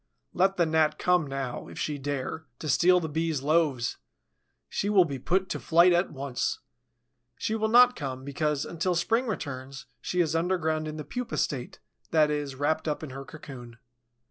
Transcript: Let the Gnat come now, if she dare, to steal the Bee's loaves! She will be put to flight at once. She will not come, because, until spring returns, she is underground in the pupa state, that is, wrapped up in her cocoon.